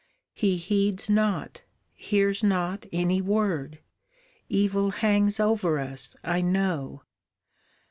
He heeds not, hears not any word, Evil hangs over us, I know!